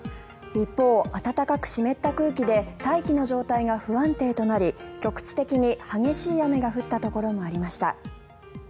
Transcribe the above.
一方、暖かく湿った空気で大気の状態が不安定となり局地的に激しい雨が降ったところもありました。